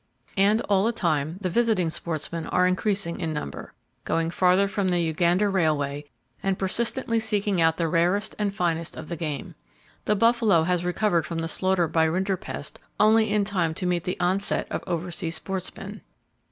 And all the time the visiting sportsmen are increasing in number, going farther from the Uganda Railway, and persistently seeking out the rarest and finest of the game. The buffalo has recovered from the slaughter by rinderpest only in time to meet the onset of oversea sportsmen.